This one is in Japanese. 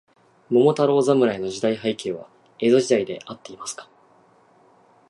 桃太郎侍の時代背景は、江戸時代であっていますか。